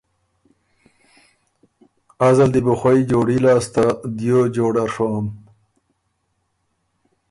ازه ل دی بُو خوئ جوړي لاسته دیو جوړۀ ڒوم۔